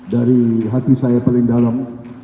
dari hati saya paling dalam